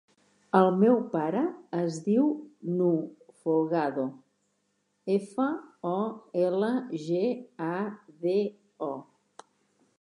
El meu pare es diu Nouh Folgado: efa, o, ela, ge, a, de, o.